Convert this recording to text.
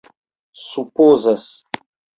supozas